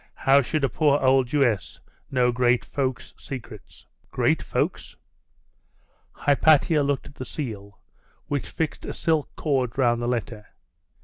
'How should a poor old Jewess know great folks' secrets?' 'Great folks? ' Hypatia looked at the seal which fixed a silk cord round the letter.